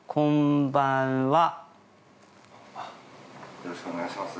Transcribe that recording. よろしくお願いします。